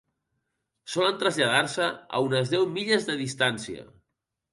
Solen traslladar-se a unes deu milles de distància.